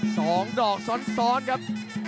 สองดอกซ้อนครับ